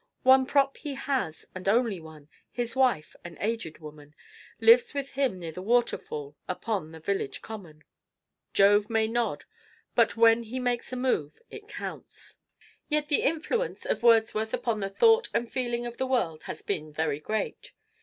One prop he has, and only one, His wife, an aged woman, Lives with him near the waterfall, Upon the village common." Jove may nod, but when he makes a move it counts. Yet the influence of Wordsworth upon the thought and feeling of the world has been very great.